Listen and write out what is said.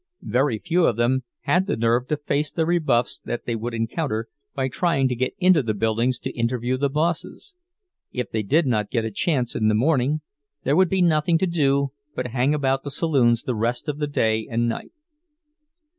Very few of them had the nerve to face the rebuffs that they would encounter by trying to get into the buildings to interview the bosses; if they did not get a chance in the morning, there would be nothing to do but hang about the saloons the rest of the day and night.